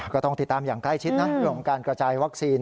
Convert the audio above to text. ก็ต้องติดตามอย่างใกล้ชิดนะเรื่องของการกระจายวัคซีน